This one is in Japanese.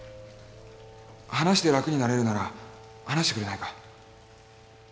話して楽になれるなら話してくれないか？